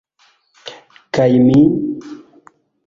Kaj mi?